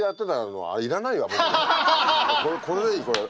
これでいいこれ。